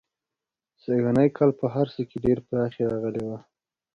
سږنی کال په هر څه کې ډېره پراخي راغلې وه.